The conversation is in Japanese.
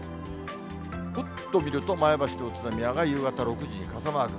ふっと見ると、前橋と宇都宮が夕方６時に傘マーク。